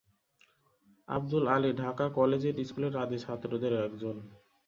Abdul Ali Dhaka collegiate স্কুলের আদি ছাত্রদের একজন।